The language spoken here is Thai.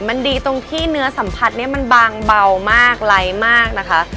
มันดีตรงที่เนื้อสัมผัสเนี่ยมันบางเบามากไร้มากนะคะ